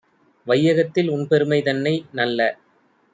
வையகத்தில் உன்பெருமை தன்னை, நல்ல